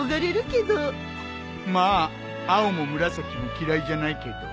まあ青も紫も嫌いじゃないけど。